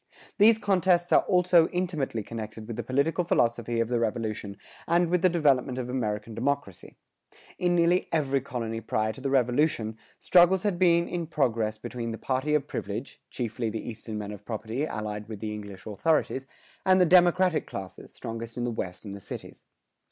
These contests are also intimately connected with the political philosophy of the Revolution and with the development of American democracy. In nearly every colony prior to the Revolution, struggles had been in progress between the party of privilege, chiefly the Eastern men of property allied with the English authorities, and the democratic classes, strongest in the West and the cities.